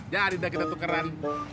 jadi kita tukeran